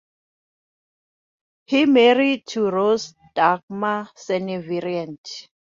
He married to Rose Dagmar Seneviratne.